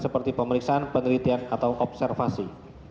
seperti pemeriksaan penelitian atau observasi